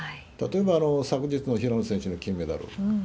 例えば昨日の平野選手の金メダル。